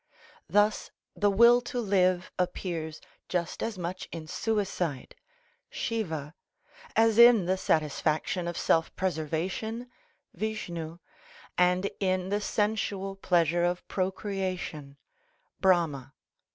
Thus the will to live appears just as much in suicide (Siva) as in the satisfaction of self preservation (Vishnu) and in the sensual pleasure of procreation (Brahma).